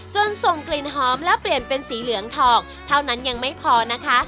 ส่งกลิ่นหอมและเปลี่ยนเป็นสีเหลืองทองเท่านั้นยังไม่พอนะคะ